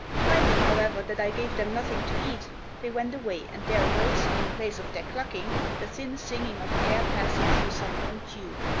Finding, however, that I gave them nothing to eat, they went away, and there arose, in place of their clucking, the thin singing of air passing through some long tube.